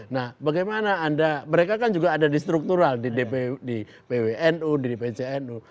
nah bagaimana anda mereka kan juga ada di struktural di pwnu di pcnu